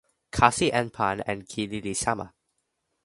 kasi en pan en kili li sama.